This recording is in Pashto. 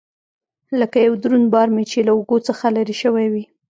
لکه يو دروند بار مې چې له اوږو څخه لرې سوى وي.